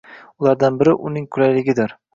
Ulardan biri – uning qulayligidir.